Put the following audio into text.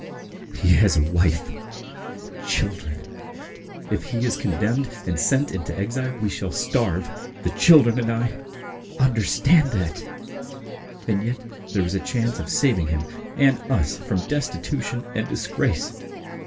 He has a wife, children. ... If he is condemned and sent into exile we shall starve, the children and I. ... Understand that! And yet there is a chance of saving him and us from destitution and disgrace.